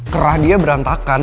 kerah dia berantakan